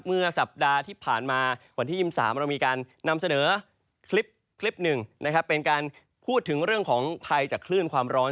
เมื่อสัปดาห์ที่ผ่านมาวันที่อิ่ม๓เรามีการนำเสนอคลิป๑เป็นการพูดถึงเรื่องของภษฐรรณ์ของใครจะคลื่นความร้อน